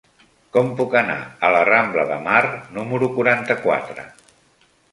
Com puc anar a la rambla de Mar número quaranta-quatre?